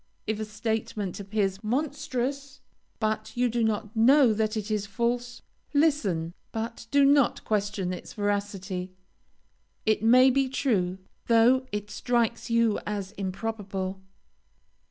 If a statement appears monstrous, but you do not know that it is false, listen, but do not question its veracity. It may be true, though it strikes you as improbable.